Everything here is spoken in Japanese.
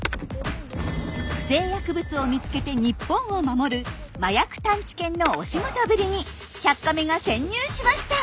不正薬物を見つけて日本を守る麻薬探知犬のお仕事ぶりに「１００カメ」が潜入しました！